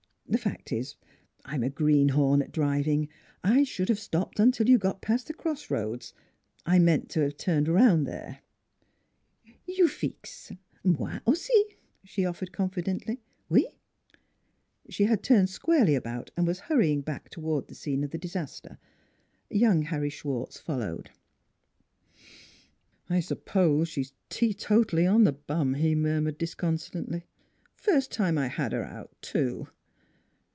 " The fact is, I'm a green horn at driving. I should have stopped until, you got past the cross roads. I meant to have turned around there." ' You feex; moi aussi," she offered confidently. "Ow'f" She had turned squarely about and was hurry ing back toward the scene of the disaster. Young Harry Schwartz followed. NEIGHBORS 99 " I suppose she's teetotally on the bum," he murmured disconsolately. " First time I had her out, too."